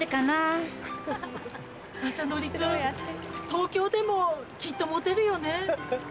東京でもきっとモテるよね。